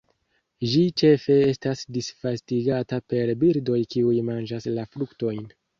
Ĝi ĉefe estas disvastigata per birdoj kiuj manĝas la fruktojn.